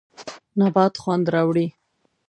نبات خوند راوړي.